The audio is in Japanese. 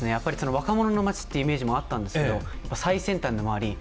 若者の街というイメージもあったんですけど最先端でもあり。